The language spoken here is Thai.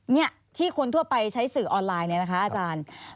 เนี่ยที่คนทั่วไปใช้สื่อออนไลน์เนี่ยนะคะอาจารย์